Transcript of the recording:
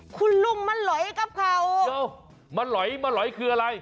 คุณลุงมาหลอยกับเข่ามาหลอยคืออะไร